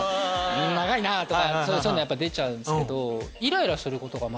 長いなぁ！とかそういうの出ちゃうんですけど。